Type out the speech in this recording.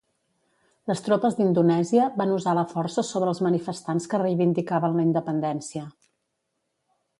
Les tropes d'Indonèsia van usar la força sobre els manifestants que reivindicaven la independència.